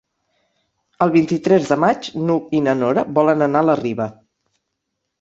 El vint-i-tres de maig n'Hug i na Nora volen anar a la Riba.